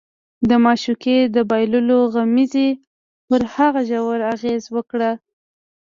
د معشوقې د بایللو غمېزې پر هغه ژور اغېز وکړ